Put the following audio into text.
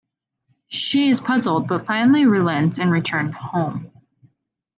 She is puzzled but finally relents and returns home.